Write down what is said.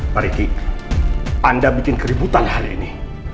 pak riki anda bikin keributan hari ini